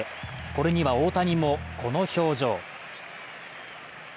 これには大谷も、この表情。